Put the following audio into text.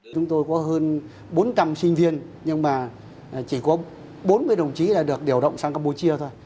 chúng tôi có hơn bốn trăm linh sinh viên nhưng mà chỉ có bốn mươi đồng chí là được điều động sang campuchia thôi